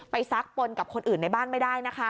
ซักปนกับคนอื่นในบ้านไม่ได้นะคะ